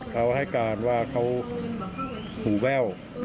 เขาให้การว่าเขาหูแว่ว